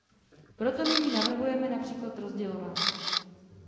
Proto nyní navrhujeme například rozdělování.